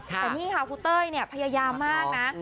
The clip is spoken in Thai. แต่นี่ค่ะครูเต้ยเนี่ยพยายามมากนะ